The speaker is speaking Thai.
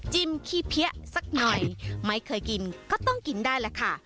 ขี้เพี้ยสักหน่อยไม่เคยกินก็ต้องกินได้แหละค่ะ